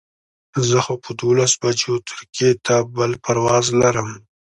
زه خو په دولس بجو ترکیې ته بل پرواز لرم.